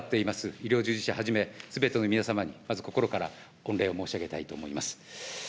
医療従事者はじめ、すべての皆様に、まず心から御礼を申し上げたいと思います。